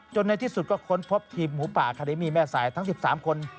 ในที่สุดก็ค้นพบทีมหมูป่าคาเดมี่แม่สายทั้ง๑๓คน